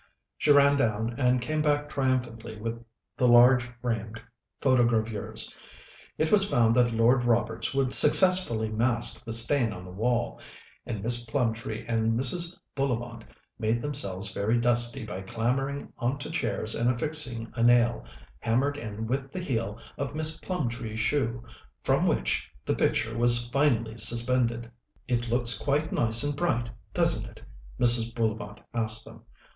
She ran down, and came back triumphantly with the large framed photogravures. It was found that Lord Roberts would successfully mask the stain on the wall, and Miss Plumtree and Mrs. Bullivant made themselves very dusty by clambering on to chairs and affixing a nail, hammered in with the heel of Miss Plumtree's shoe, from which the picture was finally suspended. "It looks quite nice and bright, doesn't it?" Mrs. Bullivant asked them.